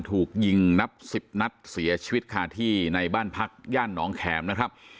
ถูกยิงนับสิบนัดเสียชีวิตคาที่ในบ้านพักย่านหนองแขมนะครับ